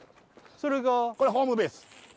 それがこれホームベース